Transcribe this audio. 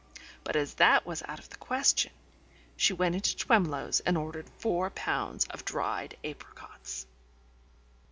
But as that was out of the question, she went into Twemlow's and ordered four pounds of dried apricots.